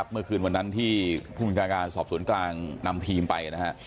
เมื่อคืนวันนั้นที่ผู้บริการการสอบศูนย์กลางนำทีมไป